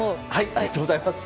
ありがとうございます。